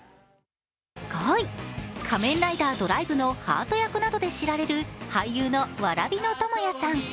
５位、「仮面ライダードライブ」のハート役などで知られる俳優の蕨野友也さん。